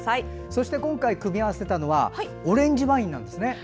そして今回組み合わせたのはオレンジワインなんですね。